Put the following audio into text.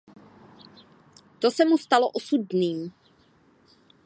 To se mu stalo osudným.